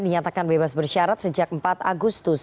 dinyatakan bebas bersyarat sejak empat agustus